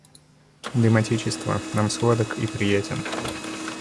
Дым отечества нам сладок и приятен.